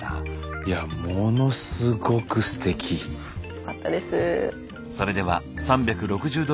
よかったです。